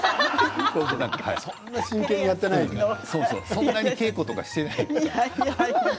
そんなに稽古とかしてないから。